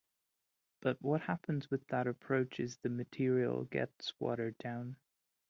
But what happens with that approach is the material gets watered down.